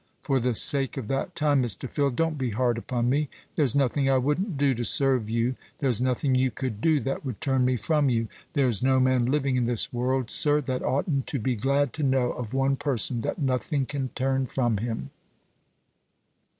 For the sake of that time, Mr. Phil, don't be hard upon me. There's nothing I wouldn't do to serve you; there's nothing you could do that would turn me from you. There's no man living in this world, sir, that oughtn't to be glad to know of one person that nothing can turn from him."